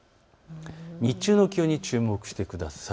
日中の気温に注目してください。